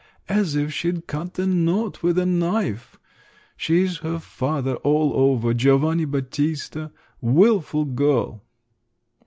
"As if she'd cut the knot with a knife! She's her father all over, Giovanni Battista! Wilful girl!"